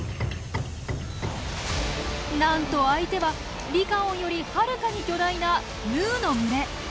なんと相手はリカオンよりはるかに巨大なヌーの群れ！